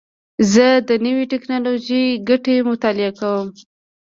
زه د نوې ټکنالوژۍ ګټې مطالعه کوم.